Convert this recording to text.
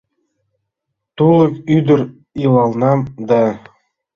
Тулык ӱдыр илалнам да